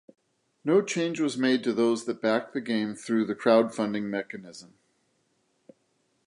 No change was made to those that backed the game through the crowdfunding mechanism.